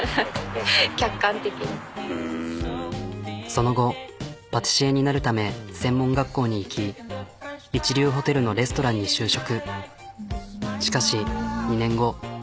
その後パティシエになるため専門学校に行き一流ホテルのレストランに就職。